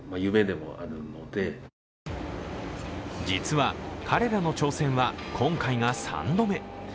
実は、彼らの挑戦は今回が３度目。